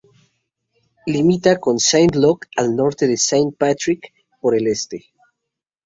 Limita con Saint Luke al norte y Saint Patrick por el este.